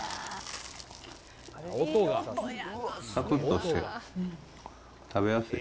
さくっとして食べやすい。